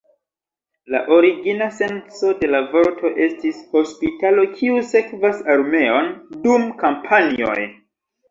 La origina senco de la vorto estis "hospitalo kiu sekvas armeon dum kampanjoj".